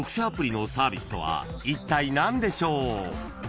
［いったい何でしょう？］